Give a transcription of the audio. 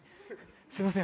すいません